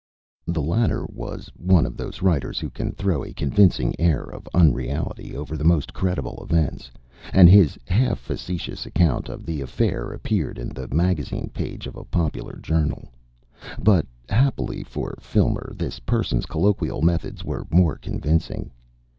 The latter was one of those writers who can throw a convincing air of unreality over the most credible events, and his half facetious account of the affair appeared in the magazine page of a popular journal. But, happily for Filmer, this person's colloquial methods were more convincing.